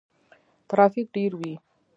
ترافیک ډیر وي.